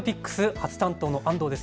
初担当の安藤です。